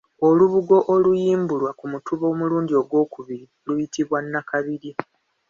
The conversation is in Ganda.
Olubugo oluyimbulwa ku mutuba omulundi ogwokubiri luyitibwa Nakabirye.